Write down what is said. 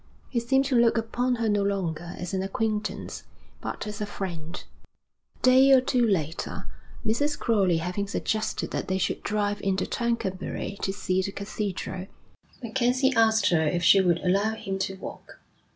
He seemed to look upon her no longer as an acquaintance, but as a friend. A day or two later, Mrs. Crowley having suggested that they should drive into Tercanbury to see the cathedral, MacKenzie asked her if she would allow him to walk.